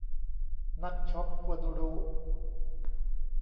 นักช้อปควรรู้